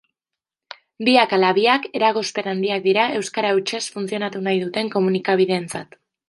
Biak ala biak eragozpen handiak dira euskara hutsez funtzionatu nahi duten komunikabideentzat.